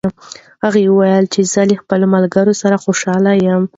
هغه وویل چې زه له خپلو ملګرو سره خوشحاله یم.